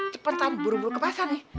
cepetan buru buru ke pasar nih